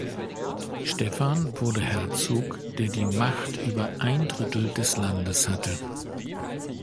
Stephan wurde Herzog, der die Macht über ein Drittel des Landes hatte.